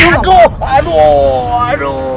aku aduh aduh